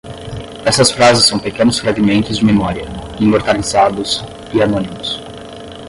Essas frases são pequenos fragmentos de memória, imortalizados, e anônimos.